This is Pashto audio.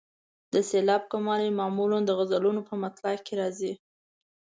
د سېلاب کموالی معمولا د غزلونو په مطلع کې راځي.